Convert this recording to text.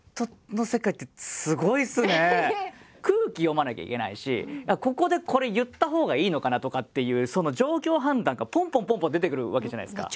空気読まなきゃいけないしここでこれ言ったほうがいいのかなとかっていうその状況判断がぽんぽんぽんぽん出てくるわけじゃないですか。